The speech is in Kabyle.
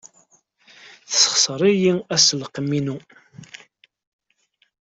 Tessexṣer-iyi aselkim-inu.